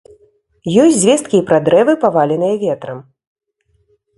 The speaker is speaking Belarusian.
Ёсць звесткі і пра дрэвы, паваленыя ветрам.